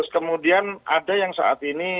kemudian ada yang saat ini